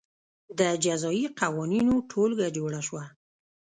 د جزايي قوانینو ټولګه جوړه شوه.